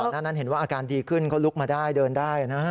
หน้านั้นเห็นว่าอาการดีขึ้นเขาลุกมาได้เดินได้นะ